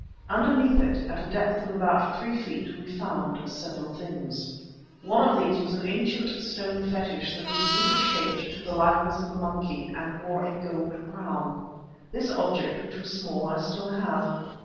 Underneath it, at a depth of about three feet, we found several things. One of these was an ancient stone fetish that was rudely shaped to the likeness of a monkey and wore a gold crown. This object, which was small, I still have.